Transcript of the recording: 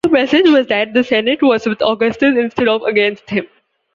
The message was that the senate was with Augustus instead of against him.